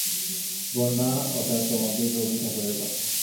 বন্যা, ওটা তোমাদের রবি ঠাকুরের কথা।